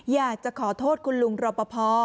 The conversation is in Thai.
อยากจะขอโทษคุณลุงรอปภ